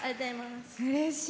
うれしい。